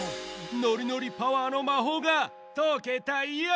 ノリノリパワーのまほうがとけたヨー！